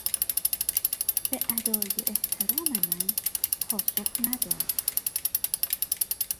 به ادای احترام من پاسخ نداد.